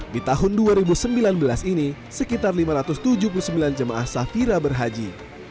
di tahun dua ribu sembilan belas ini sekitar lima ratus tujuh puluh sembilan jemaah safira berhaji